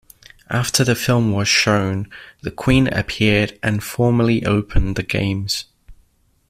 After the film was shown, the Queen appeared and formally opened the Games.